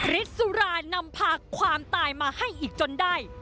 สุรานำพาความตายมาให้อีกจนได้